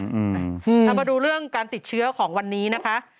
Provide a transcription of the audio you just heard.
เอามาดูเรื่องการติดเชื้อของวันนี้นะคะ